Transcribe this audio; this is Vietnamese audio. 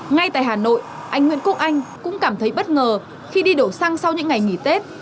ngay tại hà nội anh nguyễn quốc anh cũng cảm thấy bất ngờ khi đi đổ xăng sau những ngày nghỉ tết